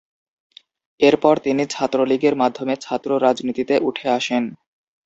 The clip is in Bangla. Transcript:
এরপর তিনি ছাত্রলীগের মাধ্যমে ছাত্র-রাজনীতিতে উঠে আসেন।